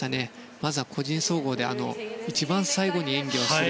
まず個人総合で一番最後に演技をした。